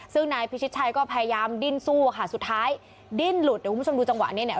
ซึ่งนายพิชิตชัยก็พยายามดิ้นสู้อะค่ะสุดท้ายดิ้นหลุดเดี๋ยวคุณผู้ชมดูจังหวะนี้เนี่ย